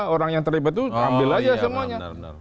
orang yang terlibat itu ambil aja semuanya